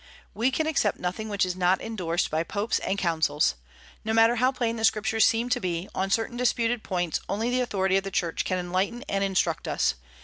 We can accept nothing which is not indorsed by popes and councils. No matter how plain the Scriptures seem to be, on certain disputed points only the authority of the Church can enlighten and instruct us.